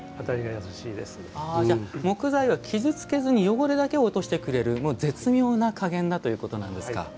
じゃあ木材は傷つけずに汚れだけを落としてくれる絶妙なかげんだということなんですか。